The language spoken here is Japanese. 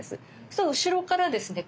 そしたら後ろからですね